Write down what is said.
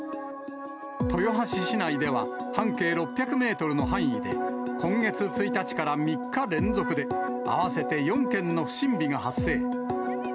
豊橋市内では、半径６００メートルの範囲で、今月１日から３日連続で、合わせて４件の不審火が発生。